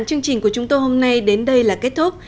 chương trình của chúng tôi hôm nay đến đây là kết thúc